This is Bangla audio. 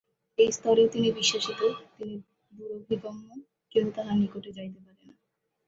এই স্তরেও তিনি বিশ্বাতীত, তিনি দুরভিগম্য, কেহ তাঁহার নিকটে যাইতে পারে না।